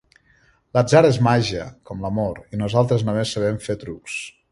L'atzar és màgia, com l'amor, i nosaltres només sabem fer trucs.